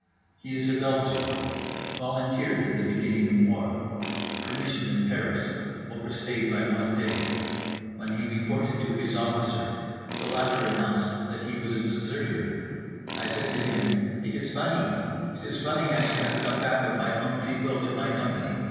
He is a Belgian. Volunteered at beginning of war. Permission at Paris, overstayed by one day. When he reported to his officer, the latter announced that he was a deserter—I said to him, "It is funny. It is funny I should have come back, of my own free will, to my company.